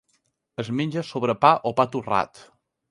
Es menja sobre pa o pa torrat.